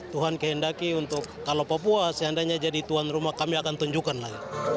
tuhan kehendaki untuk kalau papua seandainya jadi tuan rumah kami akan tunjukkan lagi